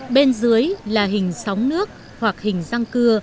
bên dưới là hình sóng nước hoặc hình răng cưa